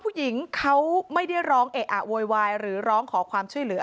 ผู้หญิงเขาไม่ได้ร้องเอะอะโวยวายหรือร้องขอความช่วยเหลือ